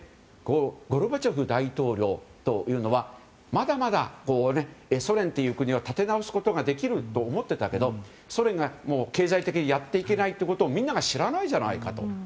ゴルバチョフ大統領というのはまだまだソ連という国は立て直すことができると思っていたけれどソ連がもう、経済的にやっていけないということをみんなが知らないじゃないかと。